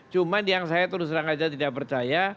cuma yang saya terus langsung tidak percaya